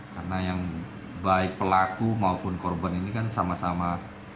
karena yang baik pelaku maupun korban ini kan sama sama